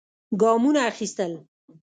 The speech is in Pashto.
ګامونه اخېستل.